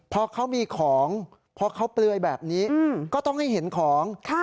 พอเขามีของพอเขาเปลือยแบบนี้ก็ต้องให้เห็นของ